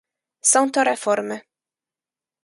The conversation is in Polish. Są to reformy